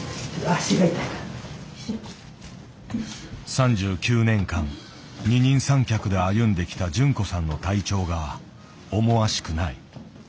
３９年間二人三脚で歩んできた純子さんの体調が思わしくない。